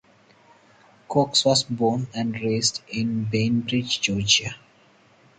Cox was born and raised in Bainbridge, Georgia.